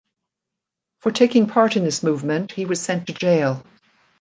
For taking part in this movement he was sent to jail.